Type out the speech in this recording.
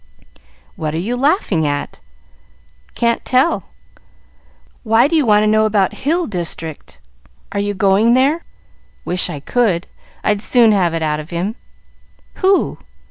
"What are you laughing at?" "Can't tell." "Why do you want to know about Hill District? Are you going there?" "Wish I could! I'd soon have it out of him." "Who?"